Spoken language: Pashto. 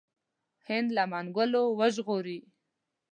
هند له منګولو وژغوري.